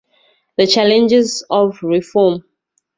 The challenges of reform.